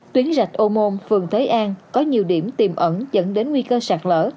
tuyến rạch ô môn phường thế an có nhiều điểm tìm ẩn dẫn đến nguy cơ sạt lỡ